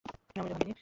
আমি এটা ভাঙিনি, মা।